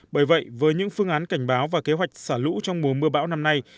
bởi vậy với những phương án cảnh báo và kế hoạch xả lũ trong mùa mưa bão năm nay